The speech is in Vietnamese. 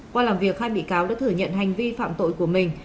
qua làm việc hai bị cáo đã thừa nhận hành vi phạm tội của mình